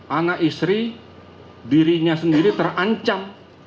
anak istri dirinya sendiri terancam